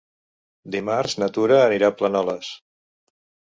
Dimarts na Tura anirà a Planoles.